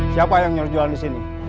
siapa yang nyuruh jual disini